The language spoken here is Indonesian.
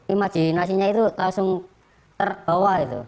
imajinasinya itu langsung terbawa